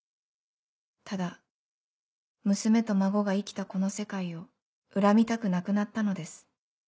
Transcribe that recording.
ただ娘と孫が生きたこの世界を恨みたくなくなったのです。